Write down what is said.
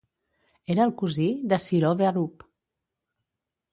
Era el cosí de Sir Ove Arup.